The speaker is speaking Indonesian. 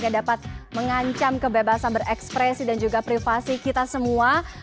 yang dapat mengancam kebebasan berekspresi dan juga privasi kita semua